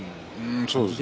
そうですね